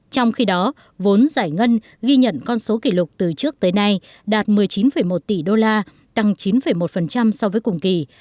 trong khi đó vốn giải ngân ghi nhận con số kỷ lục từ trước tới nay đạt một mươi chín một tỷ đô la tăng chín một so với cùng kỳ